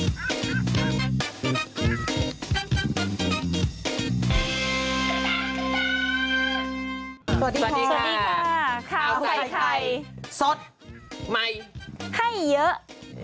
สวัสดีค่ะข้าวใครสดใหม่ให้เยอะ